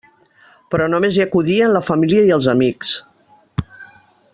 Però només hi acudien la família i els amics.